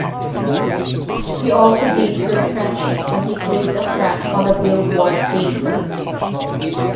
He also gains their friendship when he plays a prank on a billboard painter.